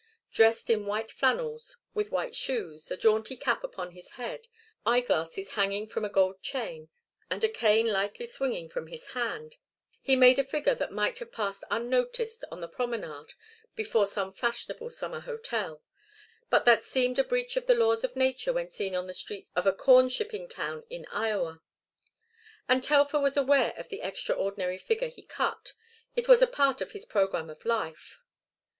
Dressed in white flannels, with white shoes, a jaunty cap upon his head, eyeglasses hanging from a gold chain, and a cane lightly swinging from his hand, he made a figure that might have passed unnoticed on the promenade before some fashionable summer hotel, but that seemed a breach of the laws of nature when seen on the streets of a corn shipping town in Iowa. And Telfer was aware of the extraordinary figure he cut; it was a part of his programme of life.